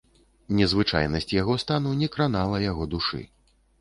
Незвычайнасць яго стану не кранала яго душы.